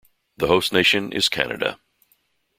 The host nation is Canada.